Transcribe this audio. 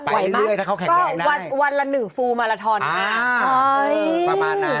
ไปเรื่อยถ้าเขาแข็งแรงได้วันวันละหนึ่งมาลาทอนอ่าเออประมาณนั้น